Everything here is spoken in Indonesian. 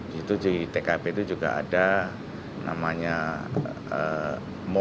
di tkp itu juga ada namanya mo